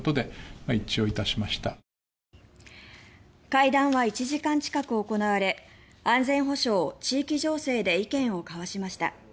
会談は１時間近く行われ安全保障、地域情勢で意見を交わしました。